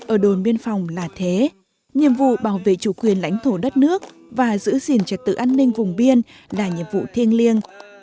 ở đồn biên phòng là thế nhiệm vụ bảo vệ chủ quyền lãnh thổ đất nước và giữ gìn trật tự an ninh vùng biên là nhiệm vụ thiêng liêng